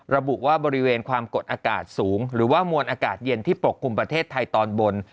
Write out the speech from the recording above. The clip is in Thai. ระบุว่าบริเวณความกดอากาศสูงหรือว่ามวลอากาศเย็นที่ปกคลุมประเทศไทยตอนบน